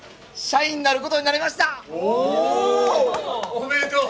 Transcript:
おめでとう。